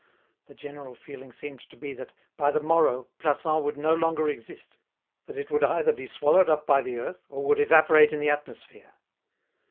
The general feeling seemed to be that, by the morrow, Plassans would no longer exist, that it would either be swallowed up by the earth or would evaporate in the atmosphere.